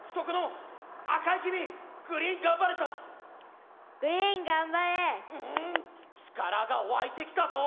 グリーン頑張れ！ん力が湧いてきたぞ！